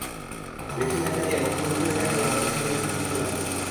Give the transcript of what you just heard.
রিকশাভ্যান চালিয়ে এবং শ্রমিক হিসেবে কাজ করে তাঁদের সন্তানেরা সংসার চালাতেন।